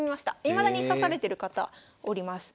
いまだに指されてる方おります。